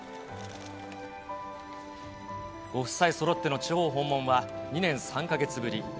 ご夫妻そろっての地方訪問は２年３か月ぶり。